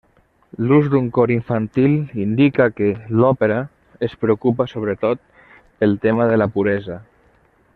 L'ús d'un cor infantil indica que l'òpera es preocupa, sobretot, pel tema de la puresa.